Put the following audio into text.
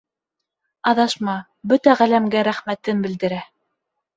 Аҙашма бөтә Ғаләмгә рәхмәтен белдерә.